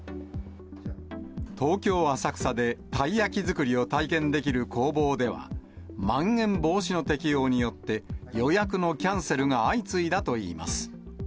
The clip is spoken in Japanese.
東京・浅草でたい焼き作りを体験できる工房では、まん延防止の適用によって、予約のキャンセルが相次いだといいます。